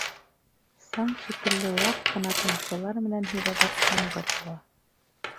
Саң шикелле ваҡ ҡына тамсылар менән һибәләп ямғыр яуа.